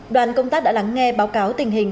đoàn công tác đã lắng nghe báo cáo tình hình